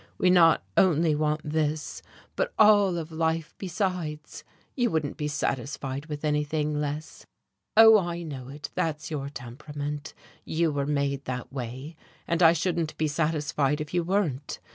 "We not only want this, but all of life besides you wouldn't be satisfied with anything less. Oh, I know it. That's your temperament, you were made that way, and I shouldn't be satisfied if you weren't.